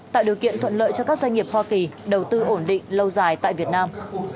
tạo điều kiện thuận lợi cho các doanh nghiệp hoa kỳ đầu tư ổn định lâu dài tại việt nam